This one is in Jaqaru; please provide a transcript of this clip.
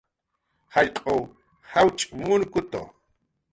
Jallq'uw jawch' munkutu